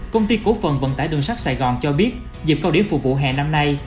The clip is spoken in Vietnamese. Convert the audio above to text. công ty cổ phần vận tải đường sắt sài gòn cho biết dịp cao điểm phục vụ hè năm nay